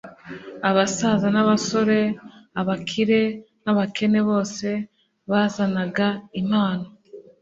Abasaza n'abasore, abakire n'abakene bose bazanaga impano,